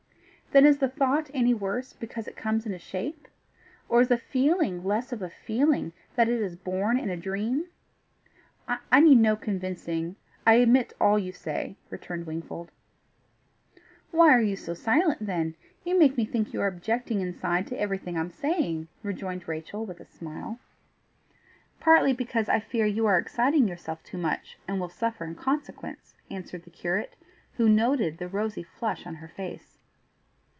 "Then is the thought any worse because it comes in a shape? or is the feeling less of a feeling that it is born in a dream?" "I need no convincing, I admit all you say," returned Wingfold. "Why are you so silent, then? You make me think you are objecting inside to everything I am saying," rejoined Rachel with a smile. "Partly because I fear you are exciting yourself too much and will suffer in consequence," answered the curate, who had noted the rosy flush on her face.